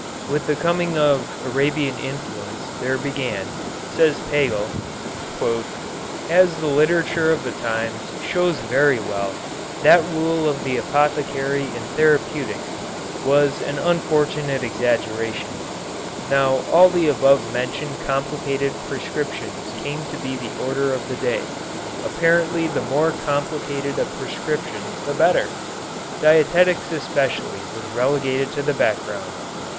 With the coming of Arabian influence there began, says Pagel, "as the literature of the times shows very well, that rule of the apothecary in therapeutics which was an unfortunate exaggeration. Now all the above mentioned complicated prescriptions came to be the order of the day. Apparently the more complicated a prescription the better. Dietetics especially was relegated to the background.